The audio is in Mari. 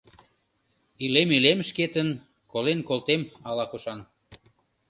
Илем-илем шкетын, колен колтем ала-кушан